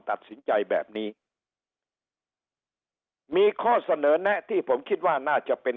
ตัดสินใจแบบนี้มีข้อเสนอแนะที่ผมคิดว่าน่าจะเป็น